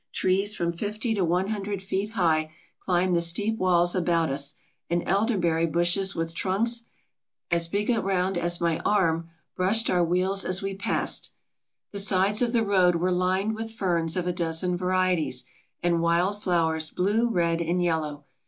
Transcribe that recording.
Trees from fifty to one hundred feet high climbed the steep walls about us, and elderberry bushes with trunks as big ALASKA OUR NORTHERN WONDERLAND around as my arm brushed our wheels as we passed. The sides of the road were lined with ferns of a dozen varie ties and wild flowers blue, red, and yellow.